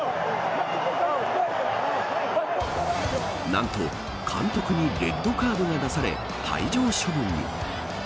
なんと監督にレッドカードが出され退場処分に。